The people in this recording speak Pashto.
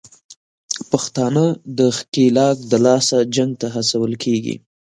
پښتانه د ښکېلاک دلاسه جنګ ته هڅول کېږي